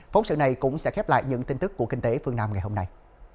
phóng sự này cũng sẽ khép lại những tin tức của kinh tế phương nam ngày hôm nay